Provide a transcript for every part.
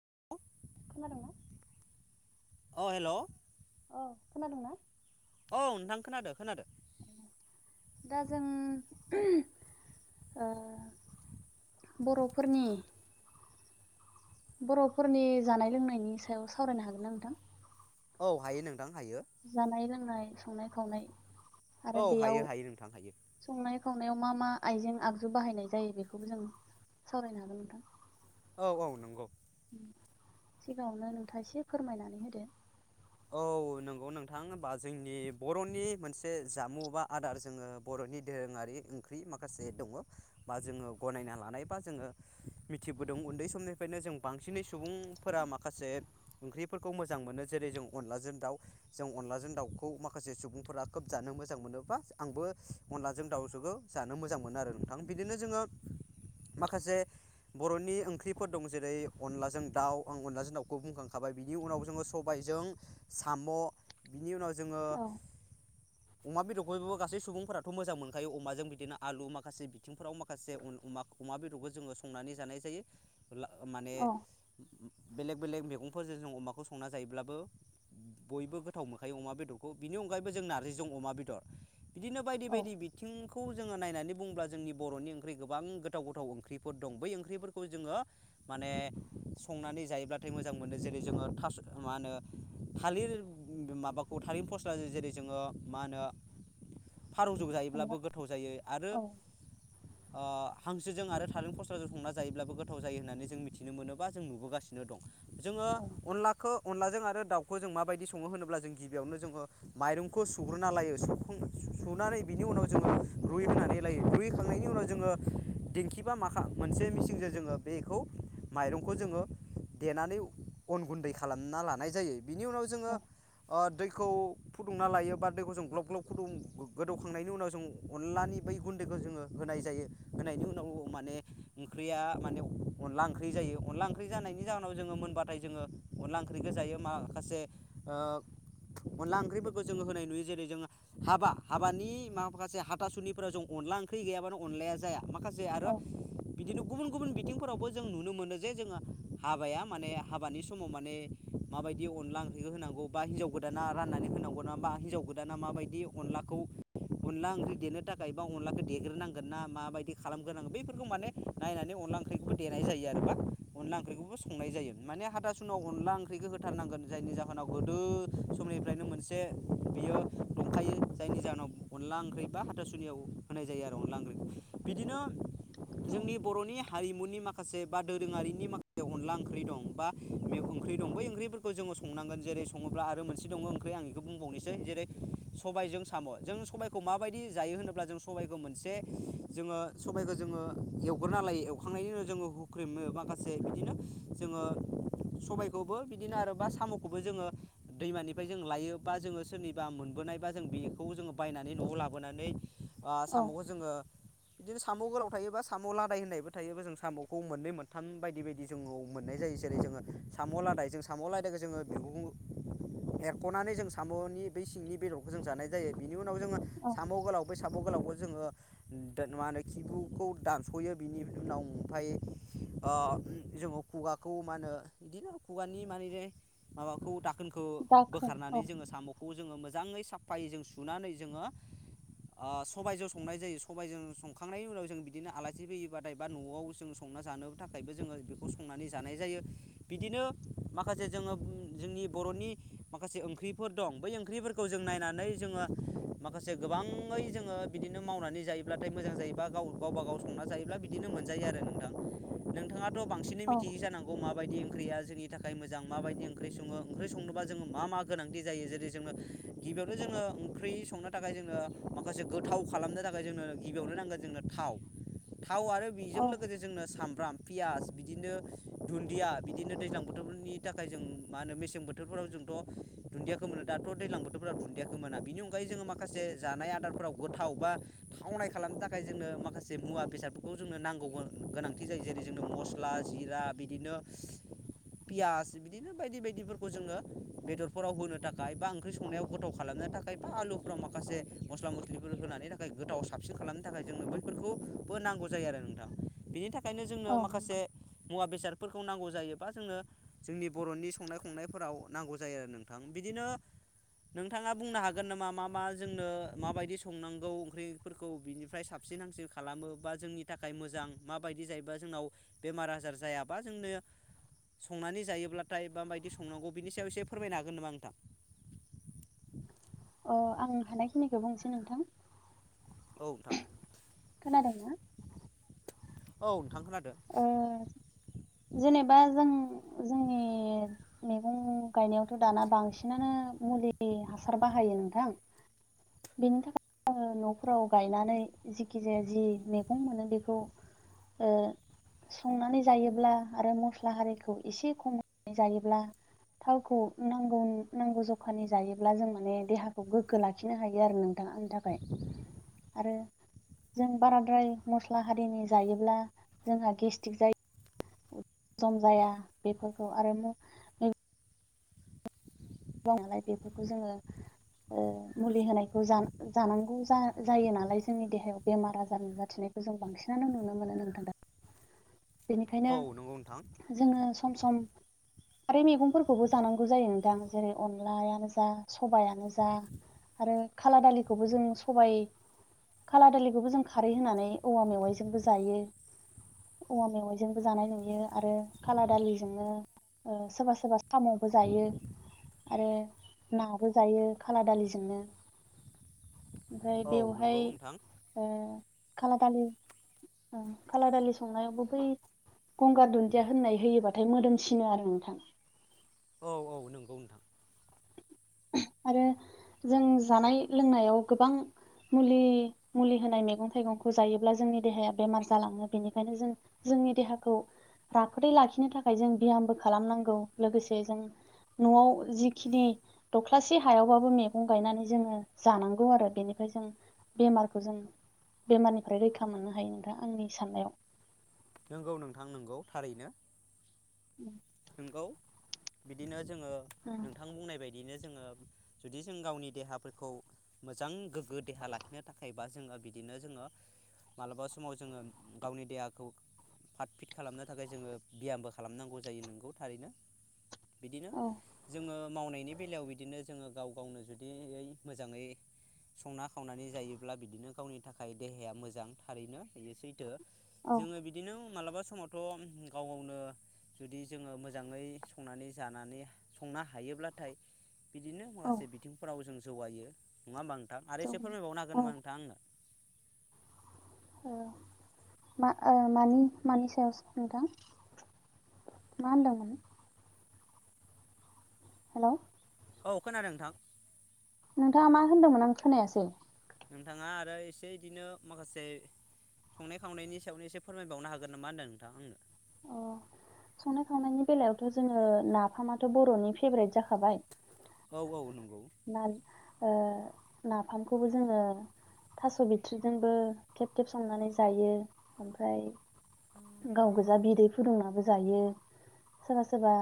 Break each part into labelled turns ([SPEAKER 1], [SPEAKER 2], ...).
[SPEAKER 1] [inaudible]
[SPEAKER 2] खोनादों ना।?
[SPEAKER 1] अ हेल'।
[SPEAKER 2] औ खोनादोंंना?
[SPEAKER 1] औ नोंथां खोनादो खोनादो।
[SPEAKER 2] दा जों ओहम ओ बर'फोरनि बर'फोरनि जानाय लोंनायनि सायाव सावरायनो हागोन ना नोंथां?
[SPEAKER 1] औ हायो नों
[SPEAKER 2] जानाय लोंनाय संनाय खावनाय
[SPEAKER 1] औ
[SPEAKER 2] आरो बेयाव
[SPEAKER 1] हायो हायो नोंथां हायो
[SPEAKER 2] संनाय खावनाय नायाव मा मा आइजें आगजु बाहायनाय जायो बेखौबो जों सावरायनो हागोन नोंथां?
[SPEAKER 1] औ औ नंगौ।
[SPEAKER 2] सिगाङावनो नोंथाङा एसे फोरमायनानै होदो।
[SPEAKER 1] औ नंगौ नोंथां होनबा जोंनि बर'नि मोनसे जामु बा आदार जोङो बर'नि नि दोरोङारि ओंख्रि माखासे दङ बा जोङो गनायना लानाय बा जोङो मिथिबोदों जों उन्दै समनिफ्रायनो जों बांसिनै सुबुंफोरा माखासे ओंख्रिफोरखौ मोजां मोनो जेरै जों अनलाजों दाउ जों अनलाजों दाउखौ माखासे सुबुंफोरा खोब जानो मोजां मोनो बा आंबो अनलाजों दाउजोंखौ जानो मोजां मोनो आरो नोंथां बिदिनो जोङो माखासे बर'नि ओंख्रिफोर दं जेरै अनलाजों दाउ आं अनलाजों दाउखौ बुंखांखाबाय बिनि उनाव जोङो सबायजों साम' बिनि उनाव जोङो
[SPEAKER 2] औ
[SPEAKER 1] अमा बेदरखौ गासै सुबुंफोराथ' मोजां मोनखायो अमाजों बिदिनो आलु माखासे बिथिंफोराव माखासे अमा बेदरखौ जोङो संनानै जानाय जायो माने
[SPEAKER 2] औ
[SPEAKER 1] बेलेग बेलेग मैगंफोरजों जों अमाखौ संना जायोब्लाबो बयबो गोथाव मोनखायो अमा बेदरखौ बिनि अनगायैबो जों नारजिजों अमा बेदर बिदिनो बायदि
[SPEAKER 2] औ
[SPEAKER 1] बायदि बिथिंखौ जोङो नायनानै बुङोब्ला जोंनि बर'नि ओंख्रि गोबां गोथाव गोथाव ओंख्रिफोर दं बै ओंख्रिफोरखौ जोङो माने संनानै जायोब्लाथाय मोजां मोनो जेरै जोङो थास' मा होनो थालिर माबाखौ थालिर फस्ला जेरै जोङो मा होनो फारौजौ
[SPEAKER 2] हमना
[SPEAKER 1] जायोब्लाबो गोथाव जायो आरो
[SPEAKER 2] औ
[SPEAKER 1] ओ हांसोजों आरो थालेर फस्लाजों संना जायोब्लाबो गोथाव जायो होननानै जों मिथिनो मोनोबा जों नुबोगासिनो दं जोङो
[SPEAKER 2] औ
[SPEAKER 1] अनलाखो अनलाजों आरो दाउखौ जों माबायदि सङो होनोब्ला जों गिबियावनो जोङो माइरंखौ सुग्रोना लायो सुनानै बिनि उनाव जोङो रुइ होनानै लायो रुइखांनायनि उनाव जोङो दिेंखिबा मा खा मोनसे मिसिनजों जोङो बेखौ माइरंखौ जोङो देनानै अन गुन्दै खालामना लानाय जायो बिनि उनाव जोङो
[SPEAKER 2] औ
[SPEAKER 1] दै दैखौ फुदुंना लायो बा दैखौ जों ग्लब ग्लब फुदुं गोदौखांनायनि उनाव जों अनलानि बै गुन्दैखौ जोङो होनाय जायो होनायनि उनाव माने ओंख्रिया माने अनला ओंख्रि जायो अनला ओंख्रि जानायनि जाहोनाव जोङो मोनबाथाय जोङो अनला ओंख्रिखौ जायो माखासे अनला ओंख्रिफोरखौ जोङो होनाय नुयो जेरै जोङो हाबा हाबानि माखासे हाथासुनिफोराव जों अन्ला ओंख्रि गैयाबानो अनलाया जाया माखासे आरो
[SPEAKER 2] औ
[SPEAKER 1] बिदिनो गुबुन गुबुन बिथिंफोरावबो जों नुनो मोनो जे जोङो हाबाया माने हाबानि समाव माने माबायदि अ अन्ला ओंख्रिखौ होनांगौ बा हिन्जाव गोदाना राननानै होनांगौ नङाबा हिन्जाव गोदाना माबायदि अनलाखौ अनला ओंख्रि देनो थाखाय बा अनलाखौ देग्रोनांगोन ना माबायदि खालामग्रोनांगोन बेैफोरखौ माने नायनानै अन अन्ला ओंख्रिखौ देनाय जायो आरोबा अनला ओंख्रिखौबो संनाय जायो माने हाथासुनियाव अनला ओंख्रिखौ होथारनांगोन जायनि जाहोनाव गोदो समनिफ्रायनो मोनसे बियो दंखायो जायनि जाहोनाव अन अनला ओंख्रि बा हाथासुनियाव होनाय जायो आरो अनला ओंख्रि बिदिनो
[SPEAKER 2] औ
[SPEAKER 1] जोंनि बर'नि हारिमुनि माखासे बा दोरोङारिनि माखासे अनला ओंख्रि दं बा बै ओंख्रि दं बै ओंख्रिफोरखौ जोङो संनांगोन जेरै सङोब्ला आरो मोनसे दङ ओंख्रै आं बेखौ बुंबावनोसै जेरै सबायजों साम' जों सबायखौ माबायदि जायो होनोब्ला जों सबायखौ मोनसे जोङो सबायखौ जोङो एवग्रोना लायो एवखांनायनि उनाव जोङो हुख्रेमो माखासे बिदिनो जोङो सबायखौबो बिदिनो आरो बा साम'खौबो जोङो दैमानिफ्राय जों लायो बा जोङो सोरनिबा मोनबोनाय बा जों बेखौ जोङो बायनानै नानै न'आव लाबोनानै आ
[SPEAKER 2] औ
[SPEAKER 1] साम'खौ जोङो बिदिनो साम गोलाव थायोबा साम लादाय होननायबो थायोबा जों सामखौ मोननै मोनथाम बायदि बायदि जोङाव मोननाय ज जायो जेरै जोङो साम लादाय जों साम ला लोगो जोङो [unintelligible] एरखनानै जों सामनि बै सिंनि बेदरखौ जों जानाय जायो बेनि उन खौ जोङो
[SPEAKER 2] औ
[SPEAKER 1] साम गोलाव बै साम गोलावखौ जोङो दान मा होनो खिबुखौ दानसयो बिनि उनाव ओमफाय अ जोङो खुगाखौ मा होनो बिदिनो खुगानि माने माबाखौ दाखोनखौ
[SPEAKER 2] दाखोन औ
[SPEAKER 1] बोखारनानै जोङो सामखौ जोङो मोजाङै साफायै जों सुनानै जोङो ओ सबाइजों संनाय जायो सबाइजों संखांनायनि उनाव जों बिदिनो आलासि फैयोबाथाय बा नआव जों सं संना जानो थाखायबो जोङो बेखौ संनानै जानाय जायो बिदिनो माखासे जोङो जोंनि बरनि माखासे ओंख्रिफोर दं बै ओंख्रिफोरखौ जों नायनानै जोङो माखा जे गोबाङै जोङो बिदिनो मावनानै जायोब्लाथाय मोजां जायोबा गाव गावबा गाव संना जायोब्ला बिदिनो मोनजायो। आरो नोंथां नोंथाङाथ बांसिनै
[SPEAKER 2] औ
[SPEAKER 1] मिथियो जानांगौ माबायदि ओंख्रिया जोंनि थाखाय मोजां माबायदि ओं ओंख्रि सङो ओंख्रि संनोबा जोङो मा मा गोनांथि जायो जेरै जोंनो गिबियावथ जोङो ओंख्रि संनो थाखाय जोंनो माखासे गोथाव खालामनो थाखाय जोंनो गिबियावनो नांगोन जोंनो थाव थाव आरो
[SPEAKER 2] औ
[SPEAKER 1] बिजों लोगोसे जोंनो सामब्राम पियास बिदिनो दुन्दिया बिदिनो दैज्लां बोथोरफोरनि थाखाय जों मा होनो मेसें बोथोरफोराव जोंथ दुन्दियाखौ मोनो दाथ दैलां बोथोरफोराव दुन्दियाखौ मोना बेनि अनगायै जोङो माखासे जानाय आदारफोराव गोथाव बा थावनाय खालामनो थाखाय जोंनो माखासे मुवा बेसादफोरखौ जोंनो नांगौमोन गोनांथि जायो जेरै जोंनो मस्ला जिरा बिदिनो पियास बिदिनो बायदि बायदिफोरखौ जोङो बेदरफोराव होनो थाखाय बा ओंख्रि संनायाव गोथाव खालामनो थाखाय बा आलुफोराव माख से मस्ला मस्लिफोर होनानि थाखाय गोथाव साबसिन खालामनो थाखाय जोंनो बैफोरखौबो नांगौ जायो आरो नोंथां। बिनि थाखायनो जोंनो
[SPEAKER 2] औ
[SPEAKER 1] माखासे
[SPEAKER 2] नंगौ
[SPEAKER 1] मुवा बेसादफोरखौ नांगौ जायोबा जोंनो जोंनि बरनि संनाय खावनायफोराव नांगौ जायो आरो नोंथां बिदिनो नोंथाङा बुंनो हागोन नामा मा मा जोंनो माबायदि संनांगौ ओंख्रिफोरखौ बिनिफ्राय साबस सिन हामसिन खालामो बा जोंनि थाखाय मोजां माबायदि जायोबा जोंनाव बेमार आजार जायाबा जोंनो संनानै जायोब्ला थाइ बाबायदि संनांगौ बिनि सायाव एसे फोरमायनो हागोन नामा नोंथां?
[SPEAKER 2] अ आं हानायखिनिखौ बुंसै नोंथां
[SPEAKER 1] औ नोंथां
[SPEAKER 2] खोनादोंना
[SPEAKER 1] औ। नोंथां खोनादों
[SPEAKER 2] ओ जेनेबा जों जोंनि मैगं गायनायावथ दाना बांसिनानो मुलि हासार बाहायो नोंथां। बिनि थाखाय नफोराव गायनानै जिखि जाया जि मैगं मोनो बेखौ ओ संनानै जायोब्ला आरो मस्ला हारिखौ एसे होनानै जायोब्ला थावखौ नांगौ नांगौ जखानि जायोब्ला जों माने देहाखौ गोग्गो लाखिनो हायो आरो नों थां आंनि थाखाय आरो। जों बाराद्राय मस्ला हारिनि जायोब्ला जोंहा गेस्टिक जायो जम जाया बेफोरखौ आरो। [unintelligible] नालाय बेफोरखौ जोङो ओ मुलि होनायखौ जानो जानांगौ जा जायो नालाय जोंनि देहायाव बेमार आजार नुजाथिनाय खौ जों बांसिनानो नुनो मोनो नोंथां दा। बेनिखायनो
[SPEAKER 1] औ नंगौ नोंथां
[SPEAKER 2] जोङो सम सम आरो मैगंफोरखौबो जानांगौ जायो नोंथां जेरै अनलायानो जा सबायानो जा आरो खाला दालिखौबो जों सबाय खाला दालिखौबो जों खारै होनानै औवा मेवाइजोंबो जायो औवा मेवाइजोंबो जानाय नुयो आरो खाला दालिजोंनो ओ सोरबा सोरबा साम बो जायो आरो नाबो जायो खाला दालिजोंनो ओमफ्राय
[SPEAKER 1] औ
[SPEAKER 2] बेवहाय
[SPEAKER 1] नंगौ नोंथां
[SPEAKER 2] ओ खाला दालि खाला दालि संनायावबो बै गंगार दुन्दिया होननाय होयोबाथाय मोदोमसिनो आरो नोंथां
[SPEAKER 1] औ औ नंगौ नोंथां।
[SPEAKER 2] आरो जों जानाय लोंनायाव गोबां मुलि मुलि होनाय मैगं थाइगंखौ जायोब्ला जोंनि देहाया बेमार जालाङो बेनिखायनो जों जोंनि देहाखौ राफोदै लाखिनो थाखाय जों बियामबो खालामनांगौ लोगोसे जों न'आव जिखिनि दख्लासे हायावबाबो मैगं गायनानै जोङो जानांगौ आरो बेनिफ्राय जों बेमारखौ जों बेमारनिफ्राय रैखा मोननो हायो नोंथां आंनि साननायाव
[SPEAKER 1] नंगौ नोंथां नोंगौ थारैनो
[SPEAKER 2] उम।
[SPEAKER 1] बिदिनो जोङा
[SPEAKER 2] औ
[SPEAKER 1] नोंथां बुंनाय बायदिनो जो जुदि जों गावनि देहाफोरखौ मोजां गोगो देहा लाखिनो थाखायबा जोङो बिदि बिदिनो जोङो मालाबा समाव जोङो गावनि देहाखौ फ्राट फिट खालामनो थाखाय जोङो बियामबो खालामनांगौ जायो नोंगौ थारैनो बिदिनो जोङो मावनायनि बेलायाव बिदिनो जोङो गाव गावनो जुदि मोजाङै संना खावनानै जायोब्ला बिदिनो गावनि थाखाय देहाया मोजां थारैनोसै
[SPEAKER 2] औ
[SPEAKER 1] जोङो बिदिनो मालाबा समावथ' गाव गावनो जुदि जोङो मोजाङै संनानै जानानै संनो हायोब्लाथाय बिदिनो
[SPEAKER 2] औ
[SPEAKER 1] माखासे बिथिंफोराव जों जौगायो नङाबा नोंथां आरो एसे फोरमायबावनो हागोन
[SPEAKER 2] औ
[SPEAKER 1] नामा नोंथां आंनो।
[SPEAKER 2] ओ, मा ओ मानि मानि सायाव सोंनो नोंथां। मा होनदों? हेल'।
[SPEAKER 1] औ खोनादों नोंथां।
[SPEAKER 2] नोंथाङा मा होनदोंमोन आं खोनायासै।
[SPEAKER 1] नोंथाङा आरो एसे इदिनो माखासे। संनाय खावनायनि सायावनो एसे फोरमायबावनो हागोन नामा होन्दों नोंथाङां आंनो।
[SPEAKER 2] अ। संनाय खावनायनि बेलायावथ' जोङो नाफामाथ' बर'नि फेभरेट जाखाबाय।
[SPEAKER 1] औ औ नंगौ।
[SPEAKER 2] ना ओ नाफामखौबो जोङो। थास' बिथ्रिजोंबो खेब खेब संनानै जायो ओमफ्राय। गाव गोजा बिदै फुदुंनाबो जायो। सोरबा सोरबा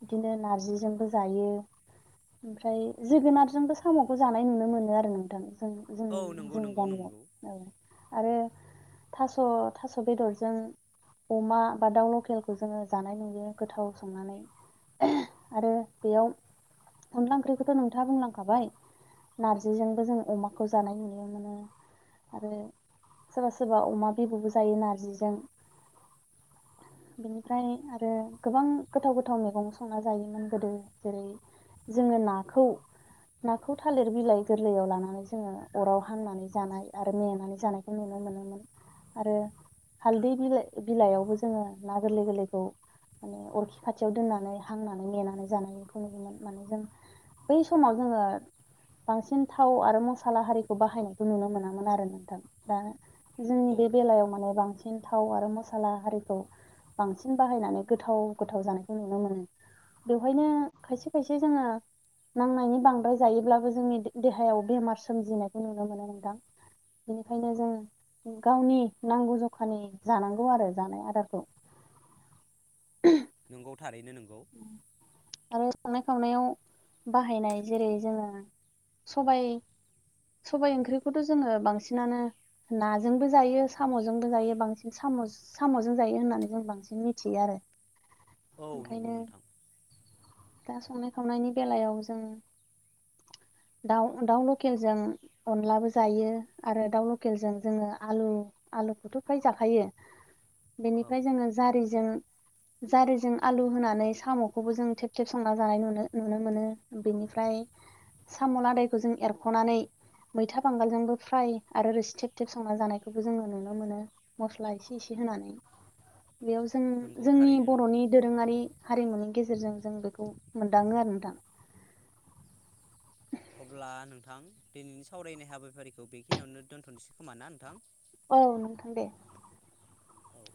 [SPEAKER 2] बिदिनो नारजिजोंबो जायो ओमफ्राय। जोगोनारजोंबो साम'खौ जानाय नुनो मोनो आरो नोंथां जों जों
[SPEAKER 1] औ नंगौ
[SPEAKER 2] जोंनि
[SPEAKER 1] नंगौ
[SPEAKER 2] गामियाव
[SPEAKER 1] नंगौ
[SPEAKER 2] औ। आरो थास' थास' बेदरजों। अमा बा दाउ लकेलखौ जोङो जानाय नुयो गोथाव संनानै। आरो बेयाव अनला ओंख्रि। बेखौथ' नोंथाङा बुंलांखाबाय नारजिजोंबो जों अमाखौ जानाय नुयो मोनो। आरो सोरबा सोरबा अमा बेदरबो जायो नारजिजों बेनिफ्राय आरो गोबां गोथाव गोथाव मैगं संना जायोमोन गोदो जेरै जोङो नाखौ नाखौ थालिर बिलाइ गोरलैयाव लानानै जोङो अराव हामनानै जानाय आरो नेेनानै जानायखौ नुनो मोनो मोनोमोन आरो हालदै बिला बिलाइआवबो जोङो ना गोरलै गोरलैखौ माने अरखि खाथियाव दोननानै हांनानै नेनानै जानायखौ नुयोमोन माने जों बै समाव जोङो बांसिन थाव आरो मसला हारिखौ बाहायनायखौ नुनो मोनामोन आरो नोंथां दा
[SPEAKER 1] औ
[SPEAKER 2] जोंनि बे बेलायाव माने बांसिन थाव आरो मसला आरिखौ बांसिन बाहायनानै गोथाव गोथाव जानायखौ नुनो मोनो। बेवहायनो खायसे खायसे जोङो नांनायनि बांद्राय जायोब्लाबो जोंनि दे-देहायाव बेमार सोमजिनायखौ नुनो मोनो नोंथां। बेनिखायनो जों गावनि नांगौ जखानि जानांगौ आरो जानाय आदारखौ। [inaudible]
[SPEAKER 1] नंगौ थारैनो नोंगौ।
[SPEAKER 2] आरो संनाय खावनायाव बाहायनाय जेरै जोङो सबाय सबाइ ओंख्रिखौथ' जोङो बांसिनानो नाजोंबो जायो साम'जोंबो जायो बांसिन सामस साम'जों जायो होननानै जों बांसिन मिथियो आरो।
[SPEAKER 1] औ नंगौ
[SPEAKER 2] ओंखायनो
[SPEAKER 1] नोंथां।
[SPEAKER 2] दा संनाय खावनायनि बेलायाव जों दाउ-दाउ लकेलजों अनलाबो जायो आरो दाउ लकेलजों जोङो आलु आलुखौथ' फ्राय जाखायो
[SPEAKER 1] औ
[SPEAKER 2] बेनिफ्राय जोङो जारिजों जारिजों आलु होनानै साम'खौबो जों थेब थेब संना जानाय नुनो-नुनो मोनो बेनिफ्राय साम'लादायखौ जों एरख'नानै मैथा बांगालजोंबो फ्राय आरो रोसि थेब थेब संना जानायखौबो जोङो नुनो मोनो मस्ला इसे इसे होनानै बेयाव जों
[SPEAKER 1] नंगौ
[SPEAKER 2] जोंनि
[SPEAKER 1] थारैनो नंगौ
[SPEAKER 2] बर'नि दोरोङारि नि गेजेरजों जों बे मोनदाङो आरो नोंथां।
[SPEAKER 1] अब्ला नोंथां दिनैनि सावरायनाय हाबाफारिखौ बेखिनियावनो दोनथ'नोसै खोमा ना नोंथां?
[SPEAKER 2] औ नोंथां दे।
[SPEAKER 1] औ